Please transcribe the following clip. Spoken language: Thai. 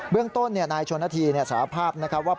เบื้องต้นนายชนธีสาภาพว่า